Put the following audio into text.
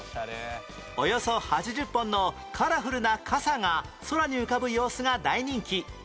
およそ８０本のカラフルな傘が空に浮かぶ様子が大人気